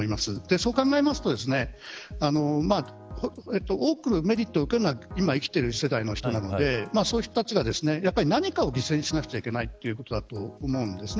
そう考えると多くのメリットを受けるのは今生きている世代の人なのでその人たちが、何かを犠牲にしなくちゃいけないということだと思うんですよね。